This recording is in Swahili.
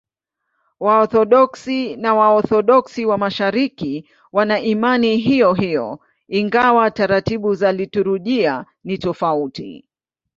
Waorthodoksi na Waorthodoksi wa Mashariki wana imani hiyohiyo, ingawa taratibu za liturujia ni tofauti.